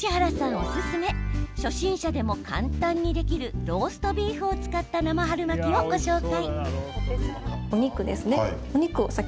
おすすめ初心者でも簡単にできるローストビーフを使った生春巻きをご紹介。